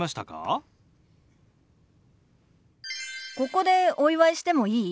ここでお祝いしてもいい？